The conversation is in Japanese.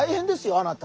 あなた。